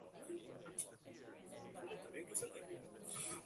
Two sequels were released but have little to no connection to each other.